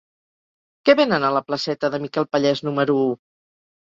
Què venen a la placeta de Miquel Pallés número u?